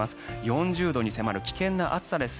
４０度に迫る危険な暑さです。